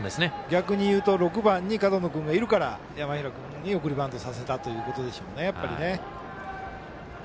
逆に言うと６番に門野君がいるから山平君に送りバントさせたということでしょうね。